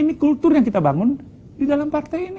ini kultur yang kita bangun di dalam partai ini